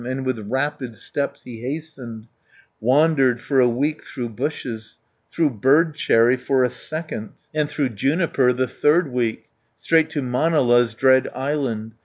And with rapid steps he hastened, Wandered for a week through bushes, Through bird cherry for a second, And through juniper the third week, Straight to Manala's dread island.